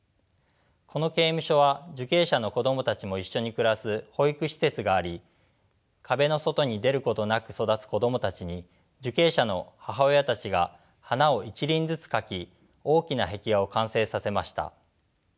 この刑務所は受刑者の子供たちも一緒に暮らす保育施設があり壁の外に出ることなく育つ子供たちに受刑者の母親たちが花を一輪ずつ描き大きな壁画を完成させました。